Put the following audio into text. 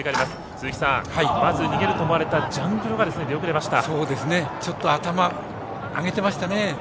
鈴木さん、まず逃げると思われたジャングロがアタマ、上げてましたね。